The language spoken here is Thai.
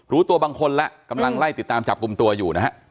รู้ตัวบางคนแล้วกำลังไล่ติดตามจับกลุ่มตัวอยู่นะฮะ